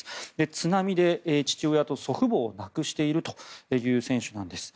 津波で父親と祖父母を亡くしているという選手なんです。